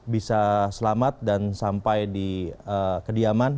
bisa selamat dan sampai di kediaman